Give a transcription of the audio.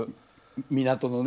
港のね